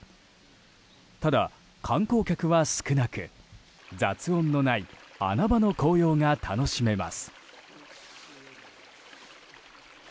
ただ、観光客は少なく雑音のない穴場の紅葉が楽しめます。